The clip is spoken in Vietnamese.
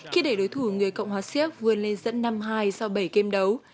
khi để đối thủ người cộng hòa xéc vươn lên dẫn năm hai sau bảy game đấu